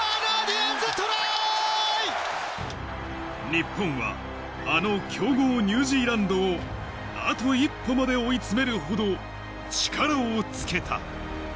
日本はあの強豪・ニュージーランドをあと一歩まで追い詰めるほど力をつけた。